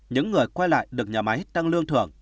những người quay lại được nhà máy tăng lương thưởng